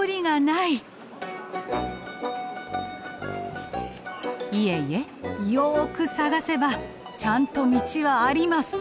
いえいえよく探せばちゃんと道はあります。